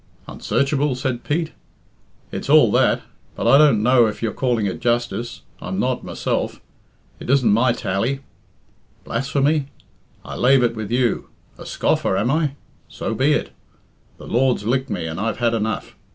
"Unsearchable?" said Pete. "It's all that. But I don't know if you're calling it justice. I'm not myself. It isn't my tally. Blasphemy? I lave it with you. A scoffer, am I? So be it. The Lord's licked me, and I've had enough.